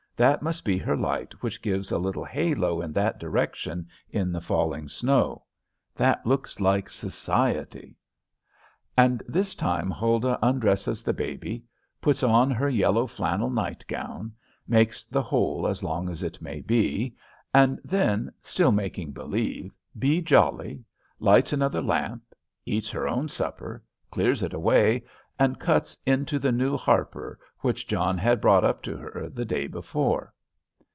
That must be her light which gives a little halo in that direction in the falling snow. That looks like society. And this time Huldah undresses the baby, puts on her yellow flannel night gown, makes the whole as long as it may be, and then, still making believe be jolly, lights another lamp, eats her own supper, clears it away, and cuts into the new Harper which John had brought up to her the day before.